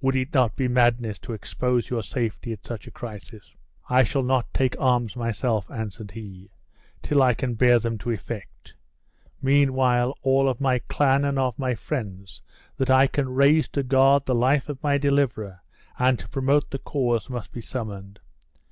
Would it not be madness to expose your safety at such a crisis?" "I shall not take arms myself," answered he, "till I can bear them to effect; meanwhile all of my clan, and of my friends, that I can raise to guard the life of my deliverer and to promote the cause, must be summoned.